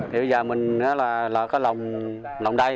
thì bây giờ mình là có lồng đây